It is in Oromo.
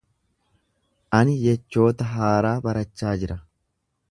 Ani jechoota haaraa barachaa jira.